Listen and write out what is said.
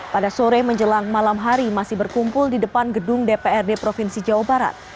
pada sore menjelang malam hari masih berkumpul di depan gedung dprd provinsi jawa barat